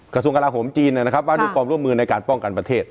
กระทรวงกราโหมจีนนะครับว่าด้วยความร่วมมือในการป้องกันประเทศ